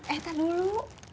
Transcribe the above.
eh tati dulu